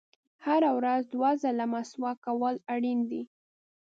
• هره ورځ دوه ځله مسواک کول اړین دي.